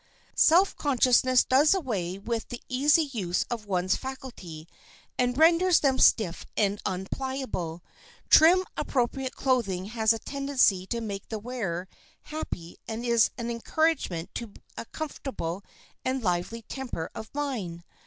[Sidenote: THE GOSPEL OF GOOD GOWNS] Self consciousness does away with the easy use of one's faculties and renders them stiff and unpliable. Trim appropriate clothing has a tendency to make the wearer happy and is an encouragement to a comfortable and lively temper of mind.